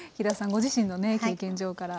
ご自身のね経験上から。